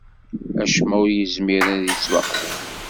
Acemma ur yezmir ad yettwaxdem?